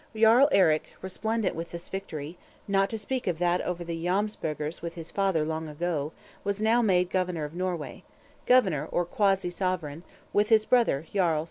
Jarl Eric, splendent with this victory, not to speak of that over the Jomsburgers with his father long ago, was now made Governor of Norway: Governor or quasi sovereign, with his brother, Jarl.